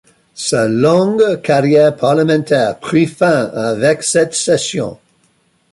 Sa longue carrière parlementaire prit fin avec cette session.